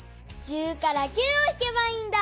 １０から９をひけばいいんだ。